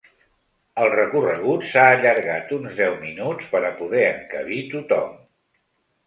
El recorregut s’ha allargat uns deu minuts per a poder encabir tothom.